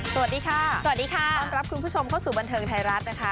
สวัสดีค่ะสวัสดีค่ะต้อนรับคุณผู้ชมเข้าสู่บันเทิงไทยรัฐนะคะ